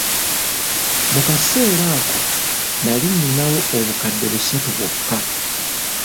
Mu kaseera ako nali ninawo obukadde busatu bwokka.